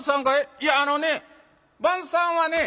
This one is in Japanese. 「いやあのね番さんはね